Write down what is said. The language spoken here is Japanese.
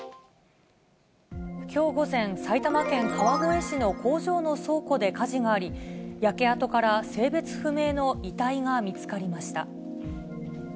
きょう午前、埼玉県川越市の工場の倉庫で火事があり、焼け跡から性別不明の遺体が見つかりました。